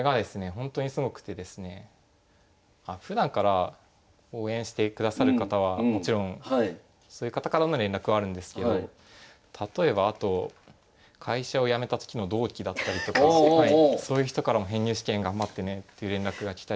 ほんとにすごくてですねふだんから応援してくださる方はもちろんそういう方からの連絡はあるんですけど例えばあとそういう人からも「編入試験頑張ってね」っていう連絡がきたりとか。